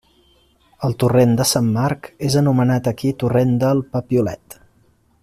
El torrent de Sant Marc és anomenat aquí torrent del Papiolet.